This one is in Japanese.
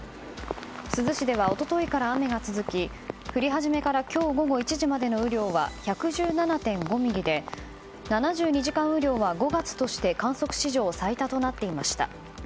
珠洲市では、一昨日から雨が続き降り始めから今日午後１時までの雨量は１１７．５ミリで７２時間雨量は、５月として観測史上最多となっていました。